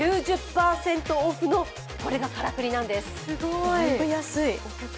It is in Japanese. ９０％オフの、これがからくりなんです。